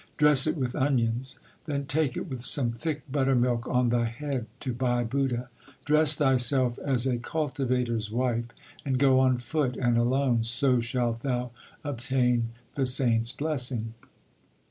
Dress it with onions. Then take it with some thick buttermilk on thy head to Bhai Budha. Dress thy self as a cultivator s wife, and go on foot and alone, so shalt thou obtain the saint s blessing.